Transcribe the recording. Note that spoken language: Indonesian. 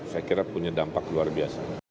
saya kira punya dampak luar biasa